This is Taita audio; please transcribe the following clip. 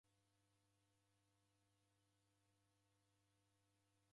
Vidoi vedibara nakio.